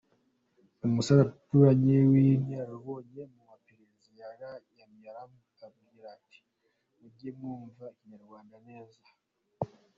Umusaza duturanye w’inararibonye mu maperereza yariyamiriya arambwira ati mujye mwumva ikinyarwanda neza.